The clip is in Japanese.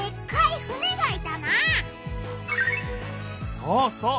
そうそう！